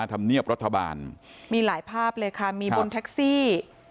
ธรรมเนียบรัฐบาลมีหลายภาพเลยค่ะมีบนแท็กซี่